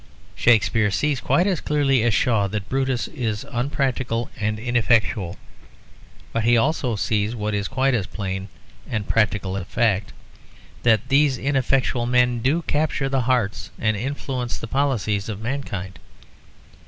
Shakespeare sees quite as clearly as Shaw that Brutus is unpractical and ineffectual; but he also sees, what is quite as plain and practical a fact, that these ineffectual men do capture the hearts and influence the policies of mankind.